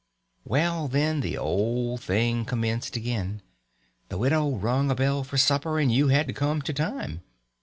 Well, then, the old thing commenced again. The widow rung a bell for supper, and you had to come to time.